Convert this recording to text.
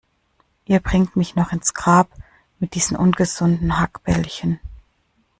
Ihr bringt mich noch ins Grab mit diesen ungesunden Hackbällchen.